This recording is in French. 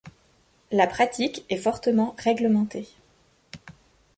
La pratique est fortement réglementée.